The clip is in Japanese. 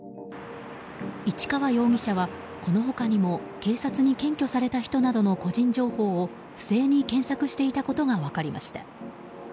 市川容疑者は、この他にも警察に検挙された人などの個人情報を不正に検索していたことが分かりました。